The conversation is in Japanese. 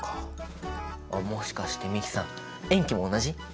あっもしかして美樹さん塩基も同じ？